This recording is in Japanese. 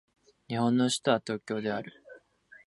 日本の首都は東京である